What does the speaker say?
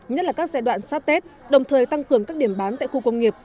nhất là các giai đoạn sát tết đồng thời tăng cường các điểm bán tại khu công nghiệp